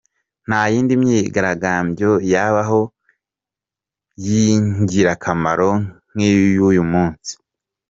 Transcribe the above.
Nta yindi myigaragambyo yabaho y’ingirakamaro nk’iy’uyu munsi.